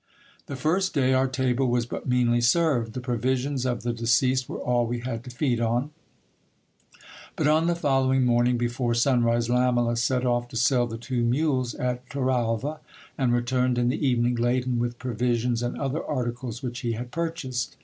The first day our table was but meanly served ; the provisions of the de ceased were all we had to feed on ; but on the following morning, before sun rise, Lamela set off to sell the two mules at Toralva, and returned in the even ing, laden with provisions and other articles which he had purchased.